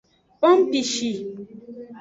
Pompishi.